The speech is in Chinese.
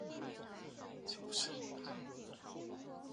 虞朝鸿是中国竞走运动员。